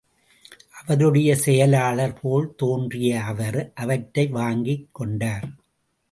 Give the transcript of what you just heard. அவருடைய செயலாளர் போல் தோன்றிய அவர் அவற்றை வாங்கிக் கொண்டார்.